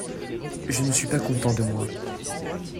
Je ne suis pas content de moi.